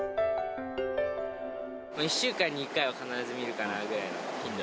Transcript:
１週間に１回は必ず見るかな